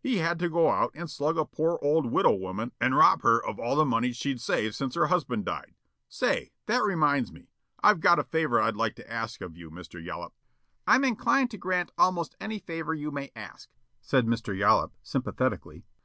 He had to go out and slug a poor old widow woman and rob her of all the money she'd saved since her husband died say, that reminds me. I got a favor I'd like to ask of you, Mr. Yollop." "I'm inclined to grant almost any favor you may ask," said Mr. Yollop, sympathetically.